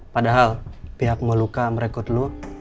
padahal pihak moluka merekrut lo